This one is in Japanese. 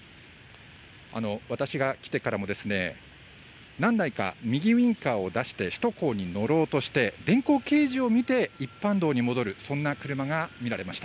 私が来てからもですね、何台か右ウインカーを出して、首都高に乗ろうとして、電光掲示を見て一般道に戻る、そんな車が見られました。